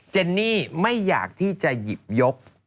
เจนนี่ไม่อยากที่จะหยิบยก